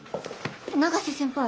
永瀬先輩